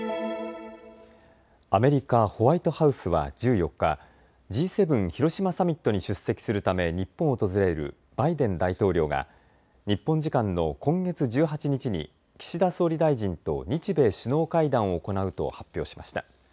アメリカ・ホワイトハウスは１４日、Ｇ７広島サミットに出席するため日本を訪れるバイデン大統領が日本時間の今月１８日に岸田総理大臣と日米首脳会談を行うと発表しました。